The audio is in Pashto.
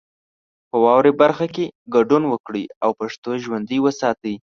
په واورئ برخه کې ګډون وکړئ او پښتو ژوندۍ وساتئ.